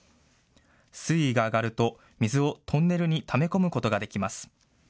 水位が上がると水をトンネルにため込むことができます。